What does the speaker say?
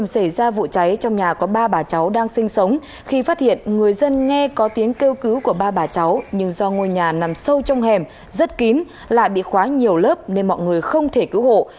người dân nghe có tiếng kêu cứu của ba bà cháu nhưng do ngôi nhà nằm sâu trong hẻm rất kín lại bị khóa nhiều lớp nên mọi người không thể cứu hộ